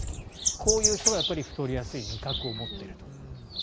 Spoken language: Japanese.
こういう人が太りやすい味覚を持っていると。